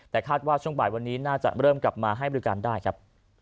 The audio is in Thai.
แต่คาดว่าช่วงบ่ายวันนี้น่าจะเริ่มกลับมาให้บริการได้ครับ